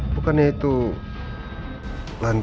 sampai jumpa lagi